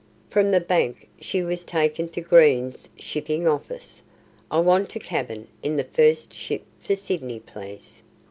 From the bank she was taken to Green's Shipping Office. "I want a cabin in the first ship for Sydney, please."